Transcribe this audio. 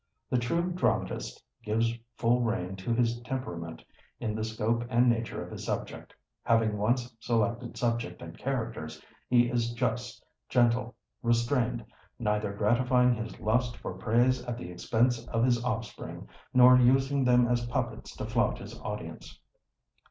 The true dramatist gives full rein to his temperament in the scope and nature of his subject; having once selected subject and characters, he is just, gentle, restrained, neither gratifying his lust for praise at the expense of his offspring, nor using them as puppets to flout his audience.